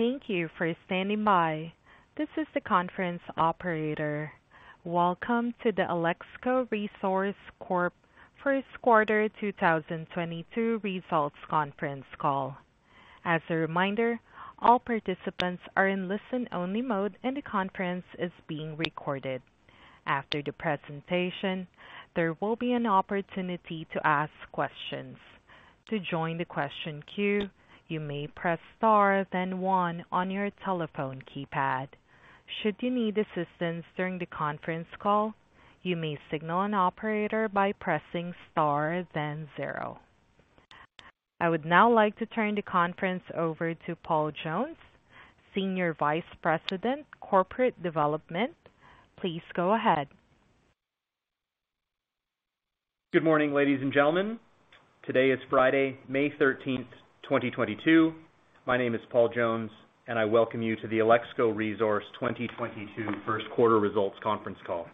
Thank you for standing by. This is the conference operator. Welcome to the Alexco Resource Corp. Q1 2022 Results Conference Call. I would now like to turn the conference over to Paul Jones, Senior Vice President, Corporate Development. Please go ahead. Good morning, ladies and gentlemen. Today is Friday, May 13th, 2022. My name is Paul Jones, and I welcome you to the Alexco Resource 2022 Q1 results conference call.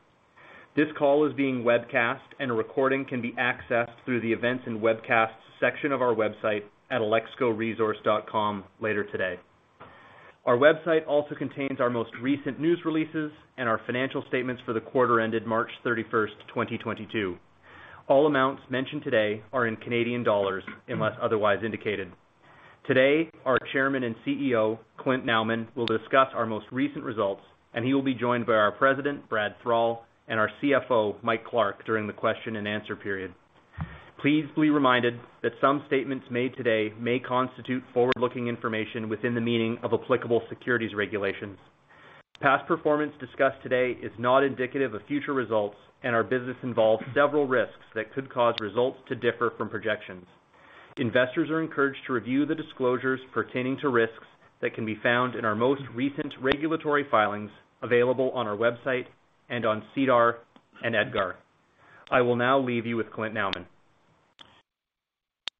This call is being webcast, and a recording can be accessed through the Events and Webcasts section of our website at alexcoresource.com later today. Our website also contains our most recent news releases and our financial statements for the quarter ended March 31st, 2022. All amounts mentioned today are in Canadian dollars unless otherwise indicated. Today, our Chairman and CEO, Clynton Nauman, will discuss our most recent results, and he will be joined by our President, Brad Thrall, and our CFO, Michael Clark, during the question and answer period. Please be reminded that some statements made today may constitute forward-looking information within the meaning of applicable securities regulations. Past performance discussed today is not indicative of future results, and our business involves several risks that could cause results to differ from projections. Investors are encouraged to review the disclosures pertaining to risks that can be found in our most recent regulatory filings available on our website and on SEDAR and EDGAR. I will now leave you with Clynton Nauman.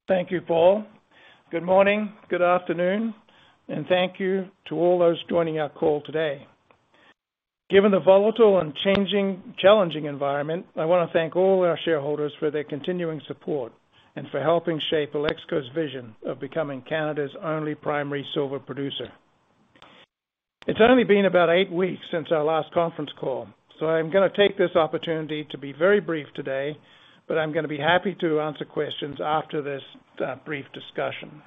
Thank you, Paul. Good morning, good afternoon, and thank you to all those joining our call today. Given the volatile, changing, challenging environment, I want to thank all our shareholders for their continuing support and for helping shape Alexco's vision of becoming Canada's only primary silver producer. It's only been about eight weeks since our last conference call, so I'm gonna take this opportunity to be very brief today, but I'm gonna be happy to answer questions after this, brief discussion.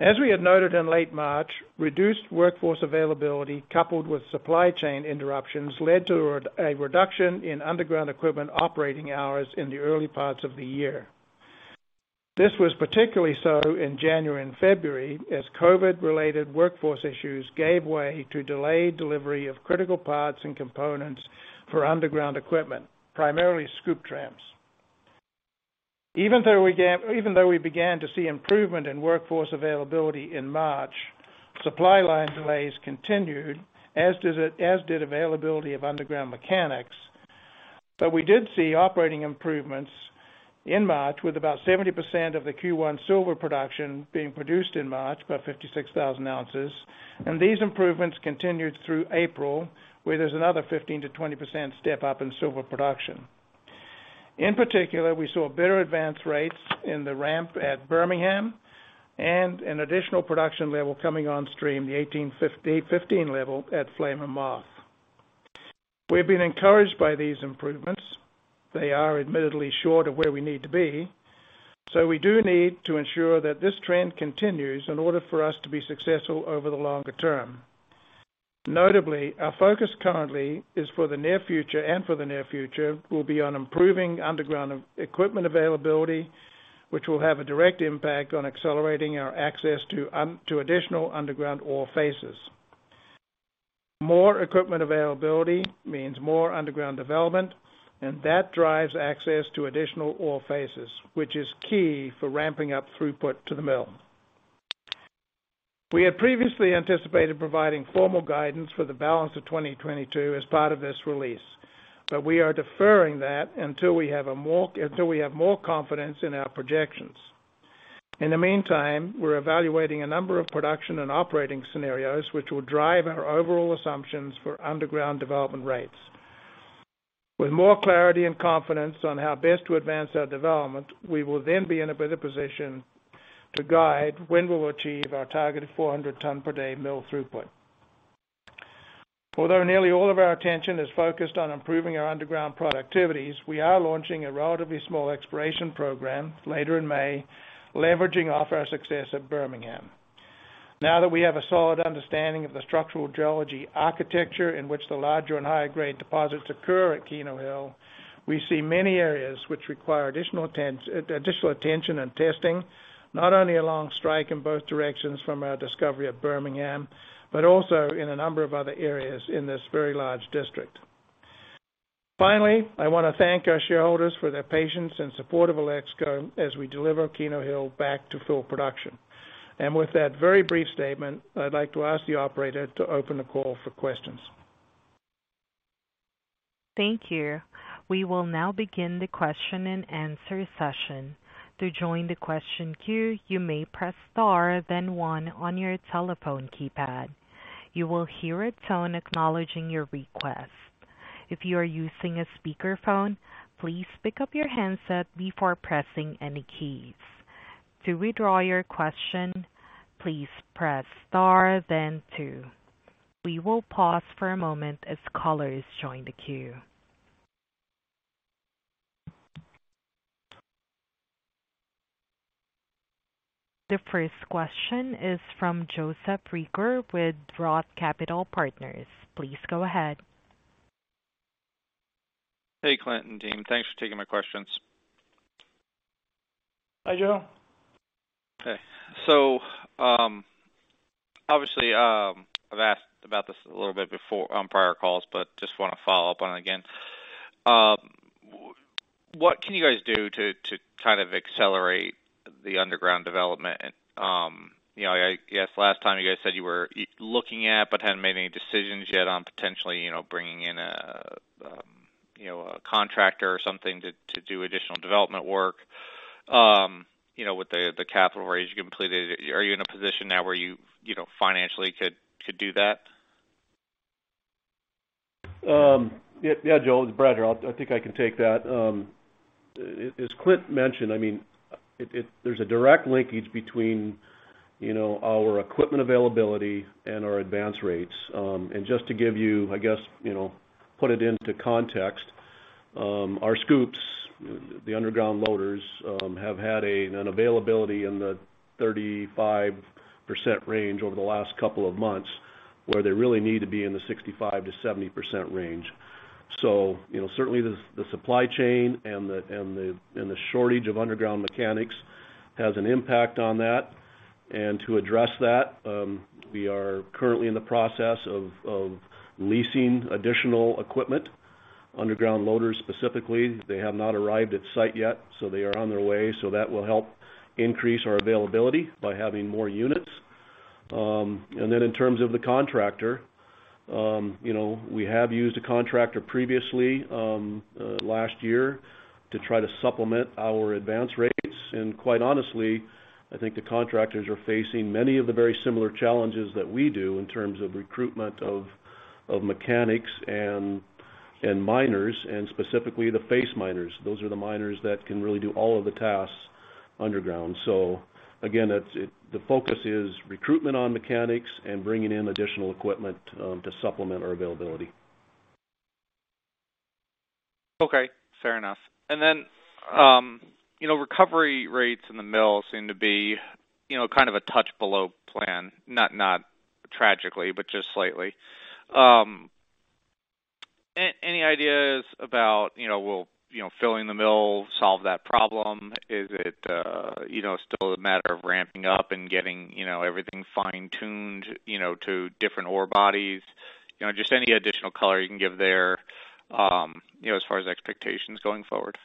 As we had noted in late March, reduced workforce availability, coupled with supply chain interruptions, led to a reduction in underground equipment operating hours in the early parts of the year. This was particularly so in January and February, as COVID-related workforce issues gave way to delayed delivery of critical parts and components for underground equipment, primarily scoop trams. Even though we began to see improvement in workforce availability in March, supply line delays continued, as did availability of underground mechanics. We did see operating improvements in March with about 70% of the Q1 silver production being produced in March, about 56,000 ounces, and these improvements continued through April, where there's another 15%-20% step up in silver production. In particular, we saw better advance rates in the ramp at Birmingham and an additional production level coming on stream, the 1850-15 level at Flame & Moth. We've been encouraged by these improvements. They are admittedly short of where we need to be, so we do need to ensure that this trend continues in order for us to be successful over the longer term. Notably, our focus currently is for the near future and for the near future will be on improving underground equipment availability, which will have a direct impact on accelerating our access to additional underground ore faces. More equipment availability means more underground development, and that drives access to additional ore faces, which is key for ramping up throughput to the mill. We had previously anticipated providing formal guidance for the balance of 2022 as part of this release, but we are deferring that until we have more confidence in our projections. In the meantime, we're evaluating a number of production and operating scenarios which will drive our overall assumptions for underground development rates. With more clarity and confidence on how best to advance our development, we will then be in a better position to guide when we'll achieve our targeted 400 ton per day mill throughput. Although nearly all of our attention is focused on improving our underground productivities, we are launching a relatively small exploration program later in May, leveraging off our success at Birmingham. Now that we have a solid understanding of the structural geology architecture in which the larger and higher grade deposits occur at Keno Hill, we see many areas which require additional attention and testing, not only along strike in both directions from our discovery at Birmingham, but also in a number of other areas in this very large district. Finally, I wanna thank our shareholders for their patience and support of Alexco as we deliver Keno Hill back to full production. With that very brief statement, I'd like to ask the operator to open the call for questions. Thank you. The 1st question is from Joseph Reagor with ROTH Capital Partners. Please go ahead. Hey, Clynton and team. Thanks for taking my questions. Hi, Joe. Okay. Obviously, I've asked about this a little bit before on prior calls, but just wanna follow up on it again. What can you guys do to kind of accelerate the underground development? You know, I guess last time you guys said you were looking at, but hadn't made any decisions yet on potentially, you know, bringing in a contractor or something to do additional development work, you know, with the capital raise you completed. Are you in a position now where you know, financially could do that? Joe, it's Brad here. I think I can take that. As Clint mentioned, I mean, there's a direct linkage between, you know, our equipment availability and our advance rates. Just to give you, I guess, you know, put it into context, our scoops, the underground loaders, have had an availability in the 35% range over the last couple of months, where they really need to be in the 65%-70% range. You know, certainly the supply chain and the shortage of underground mechanics has an impact on that. To address that, we are currently in the process of leasing additional equipment, underground loaders, specifically. They have not arrived at site yet, so they are on their way. That will help increase our availability by having more units. Then in terms of the contractor, you know, we have used a contractor previously, last year to try to supplement our advanced rates. Quite honestly, I think the contractors are facing many of the very similar challenges that we do in terms of recruitment of mechanics and miners, and specifically the face miners. Those are the miners that can really do all of the tasks underground. Again, that's it. The focus is recruitment on mechanics and bringing in additional equipment to supplement our availability. Okay, fair enough. Then, you know, recovery rates in the mill seem to be, you know, kind of a touch below plan, not tragically, but just slightly. Any ideas about, you know, will, you know, filling the mill solve that problem? Is it, you know, still a matter of ramping up and getting, you know, everything fine-tuned, you know, to different ore bodies? You know, just any additional color you can give there, you know, as far as expectations going forward.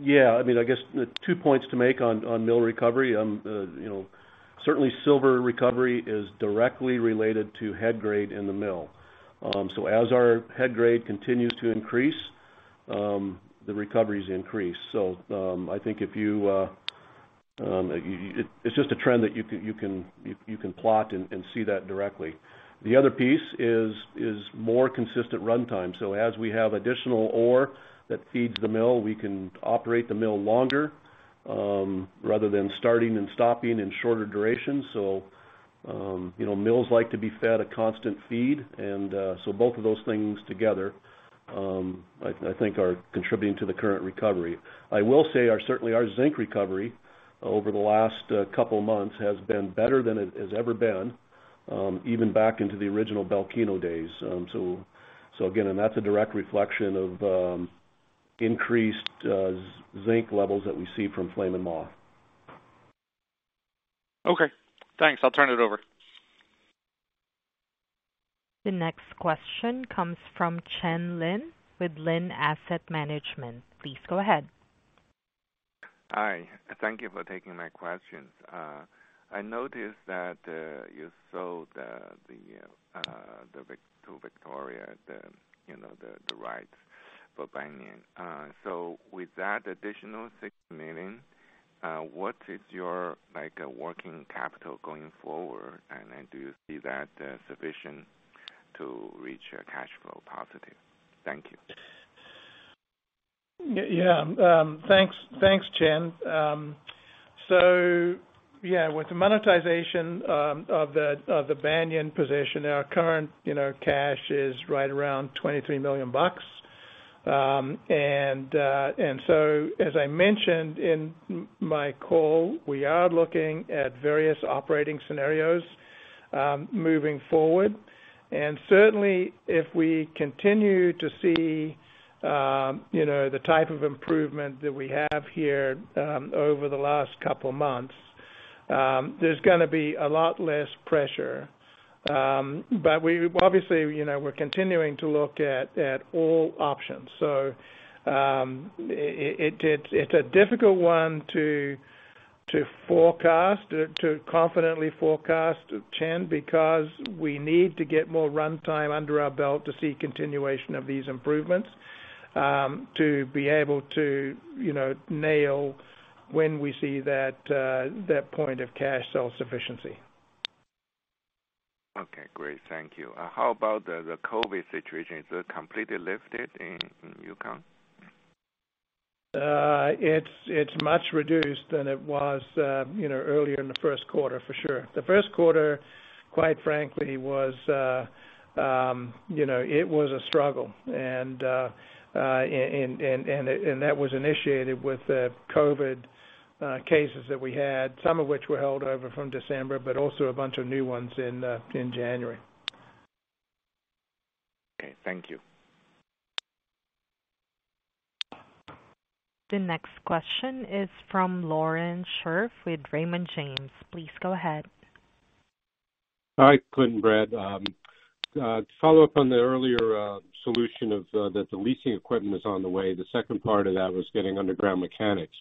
Yeah, I mean, I guess the two points to make on mill recovery, you know, certainly silver recovery is directly related to head grade in the mill. As our head grade continues to increase, the recoveries increase. I think it's just a trend that you can plot and see that directly. The other piece is more consistent runtime. As we have additional ore that feeds the mill, we can operate the mill longer, rather than starting and stopping in shorter durations. You know, mills like to be fed a constant feed and so both of those things together, I think are contributing to the current recovery. I will say certainly our zinc recovery over the last couple months has been better than it has ever been, even back into the original Bellekeno days. That's a direct reflection of increased zinc levels that we see from Flame & Moth. Okay, thanks. I'll turn it over. The next question comes from Chen Lin with Lin Asset Management. Please go ahead. Hi, and thank you for taking my questions. I noticed that you sold to Victoria, you know, the rights for Banyan. With that additional 6 million, what is your, like, working capital going forward? Do you see that sufficient to reach a cash flow positive? Thank you. Thanks, Chen. So yeah, with the monetization of the Banyan position, our current you know cash is right around 23 million bucks. As I mentioned in my call, we are looking at various operating scenarios moving forward. Certainly if we continue to see you know the type of improvement that we have here over the last couple of months, there's gonna be a lot less pressure. We obviously you know we're continuing to look at all options. It's a difficult one to confidently forecast, Chen, because we need to get more runtime under our belt to see continuation of these improvements to be able to you know nail when we see that point of cash self-sufficiency. Okay, great. Thank you. How about the COVID situation? Is it completely lifted in Yukon? It's much reduced than it was, you know, earlier in the Q1, for sure. The first quarter, quite frankly, was, you know, it was a struggle. That was initiated with the COVID cases that we had, some of which were held over from December, but also a bunch of new ones in January. Okay, thank you. The next question is from Lauren Scherff with Raymond James. Please go ahead. Hi, Clynton and Brad. To follow up on the earlier resolution that the leasing equipment is on the way, the second part of that was getting underground mechanics.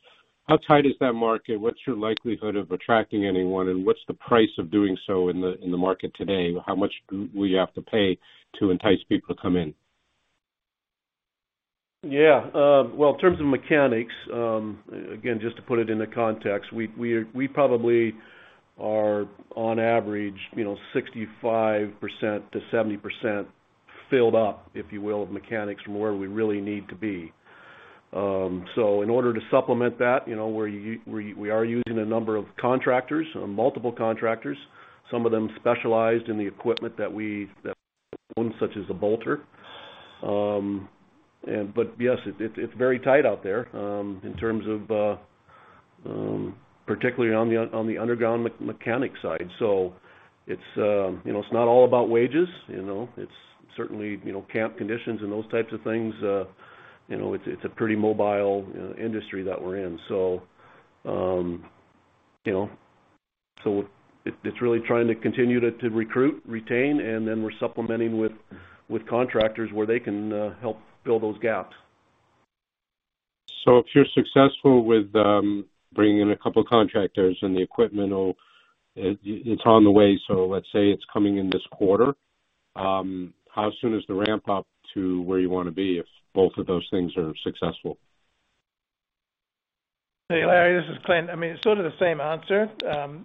How tight is that market? What's your likelihood of attracting anyone, and what's the price of doing so in the market today? How much do we have to pay to entice people to come in? Yeah. Well, in terms of mechanics, again, just to put it into context, we probably are on average, you know, 65%-70% filled up, if you will, of mechanics from where we really need to be. So in order to supplement that, you know, we are using a number of contractors, multiple contractors. Some of them specialized in the equipment such as the bolter. Yes, it's very tight out there in terms of, particularly on the underground mechanic side. So it's, you know, it's not all about wages, you know? It's certainly, you know, camp conditions and those types of things. You know, it's a pretty mobile industry that we're in. You know, it's really trying to continue to recruit, retain, and then we're supplementing with contractors where they can help fill those gaps. If you're successful with bringing in a couple of contractors and the equipment or it's on the way, so let's say it's coming in this quarter, how soon is the ramp up to where you wanna be if both of those things are successful? Hey, Larry, this is Clynton. I mean, it's sort of the same answer.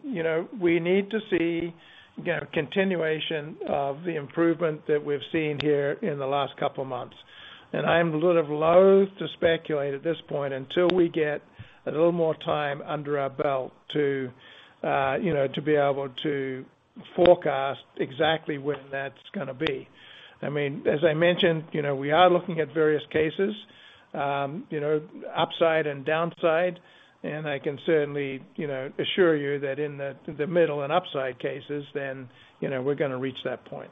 You know, we need to see, you know, continuation of the improvement that we've seen here in the last couple of months. I am a little loathe to speculate at this point until we get a little more time under our belt to, you know, to be able to forecast exactly when that's gonna be. I mean, as I mentioned, you know, we are looking at various cases, you know, upside and downside. I can certainly, you know, assure you that in the middle and upside cases, then, you know, we're gonna reach that point.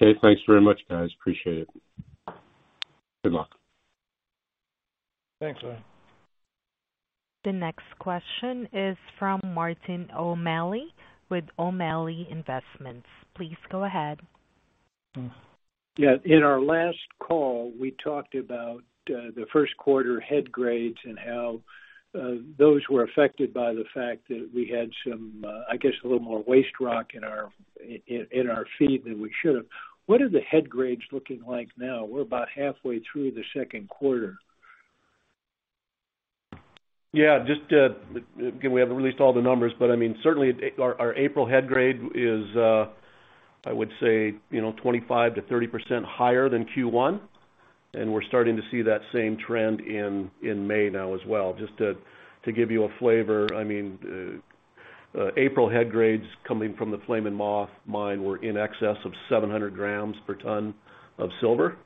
Okay. Thanks very much, guys. Appreciate it. Good luck. Thanks, Larry. The next question is from Martin O'Malley with O'Malley Investments. Please go ahead. Yeah. In our last call, we talked about the first quarter head grades and how those were affected by the fact that we had some, I guess, a little more waste rock in our feed than we should have. What are the head grades looking like now? We're about halfway through the Q2. Yeah. Just, again, we haven't released all the numbers, but I mean, certainly our April head grade is, I would say, you know, 25%-30% higher than Q1, and we're starting to see that same trend in May now as well. Just to give you a flavor, I mean, April head grades coming from the Flame & Moth mine were in excess of 700 grams per ton of silver,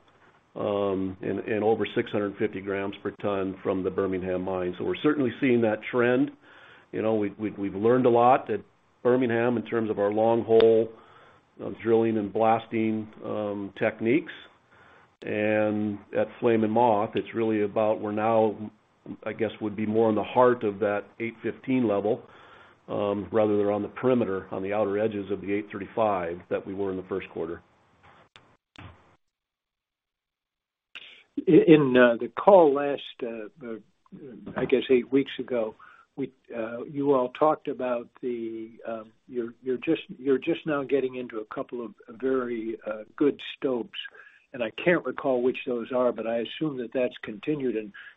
and over 650 grams per ton from the Birmingham mine. We're certainly seeing that trend. You know, we've learned a lot at Birmingham in terms of our long hole drilling and blasting techniques. At Flame & Moth, it's really about we're now, I guess, would be more in the heart of that 815 level, rather than on the perimeter, on the outer edges of the 835 that we were in the first quarter. In the call last, I guess eight weeks ago, you all talked about, you're just now getting into a couple of very good stopes. I can't recall which those are, but I assume that's continued.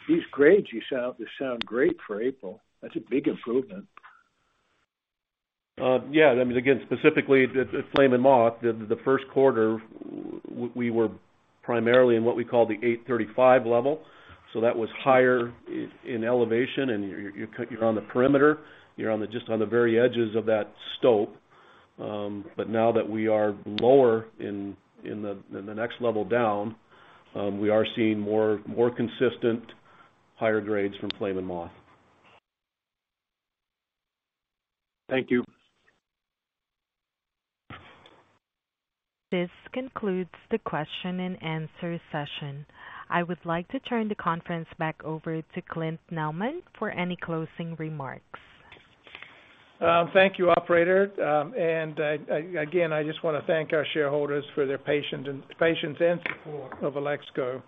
These grades you sound, they sound great for April. That's a big improvement. Yeah. That means, again, specifically the Flame & Moth, the Q1, we were primarily in what we call the 835 level, so that was higher in elevation, and you're on the perimeter, just on the very edges of that stope. Now that we are lower in the next level down, we are seeing more consistent higher grades from Flame & Moth. Thank you. This concludes the question and answer session. I would like to turn the conference back over to Clynton Nauman for any closing remarks. Thank you, operator. Again, I just wanna thank our shareholders for their patience and support of Alexco,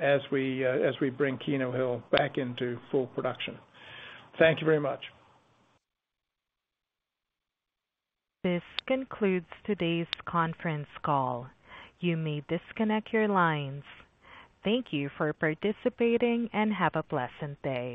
as we bring Keno Hill back into full production. Thank you very much. This concludes today's conference call. You may disconnect your lines. Thank you for participating, and have a pleasant day.